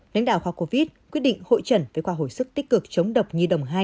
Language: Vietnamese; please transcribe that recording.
lãnh đạo khoa covid quyết định hội trần với khoa hồi sức tích cực chống độc nhi đồng hai